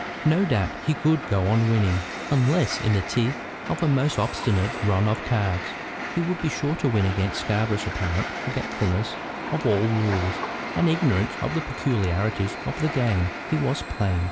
No doubt he could go on winning. Unless in the teeth of a most obstinate run of cards, he would be sure to win against Scarborough's apparent forgetfulness of all rules, and ignorance of the peculiarities of the game he was playing.